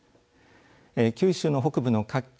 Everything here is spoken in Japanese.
九州の北部の各県